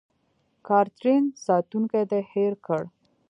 کاترین: ساتونکی دې هېر کړ.